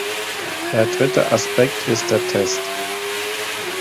Der dritte Aspekt ist der Test.